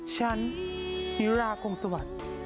ฉันนิรากงสวัสก์